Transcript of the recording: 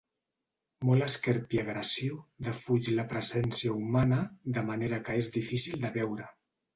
Molt esquerp i agressiu, defuig la presència humana, de manera que és difícil de veure.